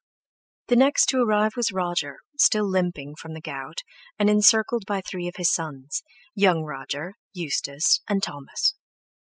The next to arrive was Roger, still limping from the gout, and encircled by three of his sons—young Roger, Eustace, and Thomas.